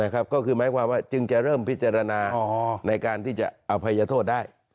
ก็คือหมายความว่าจึงจะเริ่มพิจารณาในการที่จะอภัยโทษได้